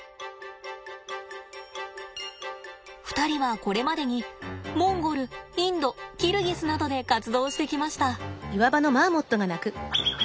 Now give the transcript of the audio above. ２人はこれまでにモンゴルインドキルギスなどで活動してきました。